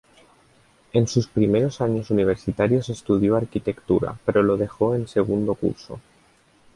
En sus primeros años universitarios estudió Arquitectura pero lo dejó en segundo curso.